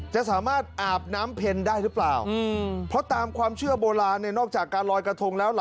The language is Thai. จะสามารถอาบน้ำเพ็ญได้หรือเปล่าเพราะตามความเชื่อโบราณเนี่ยนอกจากการลอยกระทงแล้ว